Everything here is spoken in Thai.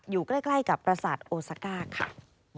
อยู่ใกล้กับประสาทโอซาก้าค่ะ